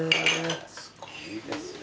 すごいですね。